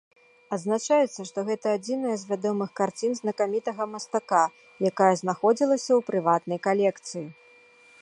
Адзначаецца, што гэта адзіная з вядомых карцін знакамітага мастака, якая знаходзілася ў прыватнай калекцыі.